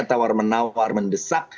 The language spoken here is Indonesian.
tawar menawar mendesak